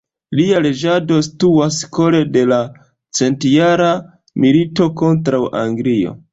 Lia reĝado situas kore de la Centjara milito kontraŭ Anglio.